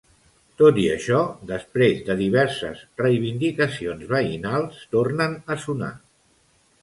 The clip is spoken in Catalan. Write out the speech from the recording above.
Tot i això, després de diverses reivindicacions veïnals, tornen a sonar.